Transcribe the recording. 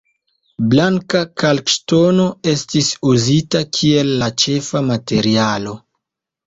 Blanka kalkŝtono estis uzita kiel la ĉefa materialo.